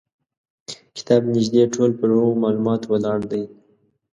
کتاب نیژدې ټول پر هغو معلوماتو ولاړ دی.